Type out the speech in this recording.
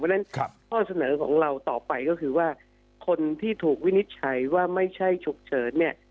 เพราะฉะนั้นข้อเสนอของเราต่อไปก็คือว่าคนที่ถูกวินิจฉัยว่าไม่ใช่ฉุกเฉินเนี่ย